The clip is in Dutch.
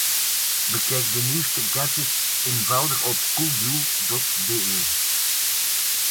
Bekijk de nieuwste gadgets eenvoudig op Coolblue.be.